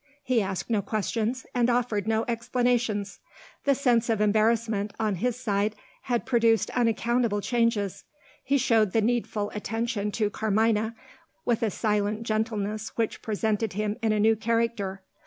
He asked no questions, and offered no explanations. The sense of embarrassment, on his side, had produced unaccountable changes. He showed the needful attention to Carmina, with a silent gentleness which presented him in a new character.